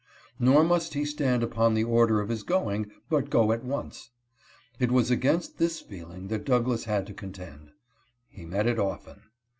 Nor must he stand upon the order of his going, but go at once. It was against this feeling that Douglass had to contend. He met it often.